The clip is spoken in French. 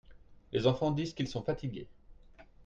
Les enfants disent qu'ils sont fatigués.